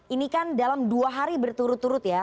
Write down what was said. ini kan dalam dua hari berturut turut ya